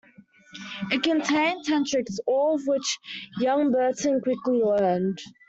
It contained ten tricks, all of which young Burton quickly learned.